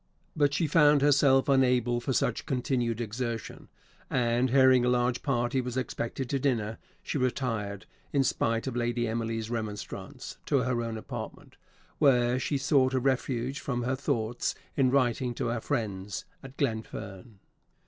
But she found herself unable for such continued exertion; and, hearing a large party was expected to dinner, she retired, in spite of Lady Emily's remonstrance, to her own apartment, where she sought a refuge from her thoughts in writing to her friends at Glenfern.